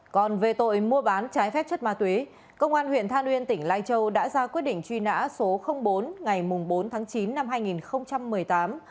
còn về tội mua bán trái phép chất ma túy công an huyện than uyên tỉnh lai châu đã ra quyết định truy nã số bốn ngày bốn tháng chín năm hai nghìn một mươi tám